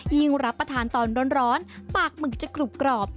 รับประทานตอนร้อนปากหมึกจะกรุบกรอบ